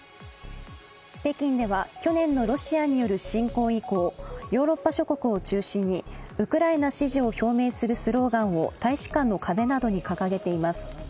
北京では去年のロシアによる侵攻以降ヨーロッパ諸国を中心にウクライナ支持を表明するスローガンを大使館の壁などに掲げています。